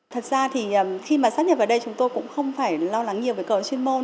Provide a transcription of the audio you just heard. thật ra thì khi mà sắp nhập vào đây chúng tôi cũng không phải lo lắng nhiều về cơ hội chuyên môn